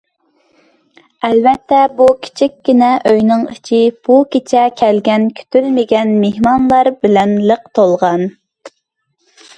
ئەلۋەتتە، بۇ كىچىككىنە ئۆينىڭ ئىچى بۇ كېچىدە كەلگەن كۈتۈلمىگەن مېھمانلار بىلەن لىق تولغان.